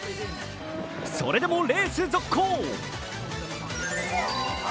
それでもレース続行。